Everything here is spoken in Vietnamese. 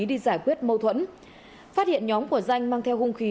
đi giải quyết mâu thuẫn phát hiện nhóm của danh mang theo hung khí